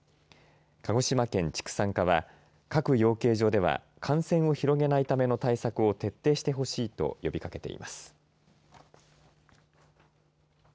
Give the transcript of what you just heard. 鹿児島県畜産課は各養鶏場では感染を広げないための対策を徹底してほしいと呼びかけています。